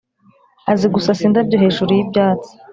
azi gusasa indabyo hejuru yibyatsi